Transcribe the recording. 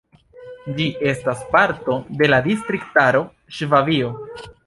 Ĝi estas parto de la distriktaro Ŝvabio.